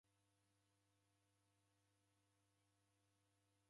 W'ele huwu mwachemw'ona?